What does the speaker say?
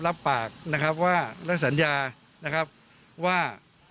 รับปากนะครับว่าได้สัญญานะครับว่า